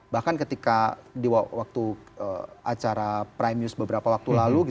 bahkan ketika di waktu acara prime news beberapa waktu lalu